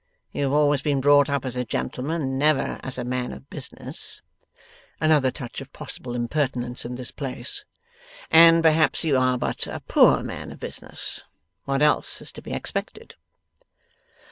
You have always been brought up as a gentleman, and never as a man of business;' another touch of possible impertinence in this place; 'and perhaps you are but a poor man of business. What else is to be expected!